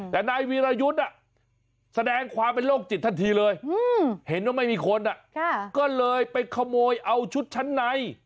แต่นายวีรยุทธ์แสดงความเป็นโรคจิตทันทีเลยเห็นว่าไม่มีคนก็เลยไปขโมยเอาชุดชั้นใน